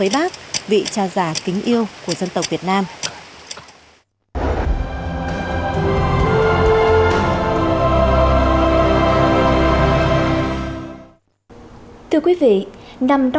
mặc dù trời mưa to